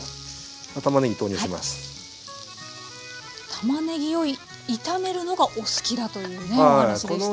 たまねぎを炒めるのがお好きだというお話でした。